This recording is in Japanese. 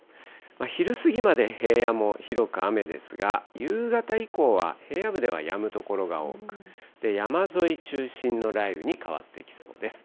昼過ぎまで平野も広く雨ですが、夕方以降は平野部ではやむ所が多く、山沿い中心の雷雨に変わってきそうです。